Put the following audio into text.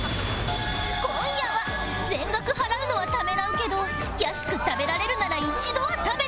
今夜は全額払うのはためらうけど安く食べられるなら一度は食べてみたい！